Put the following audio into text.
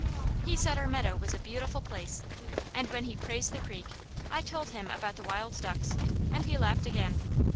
He said our meadow was a beautiful place, and when he praised the creek I told him about the wild ducks, and he laughed again.